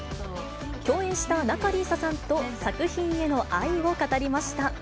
共演した仲里依紗さんと作品への愛を語りました。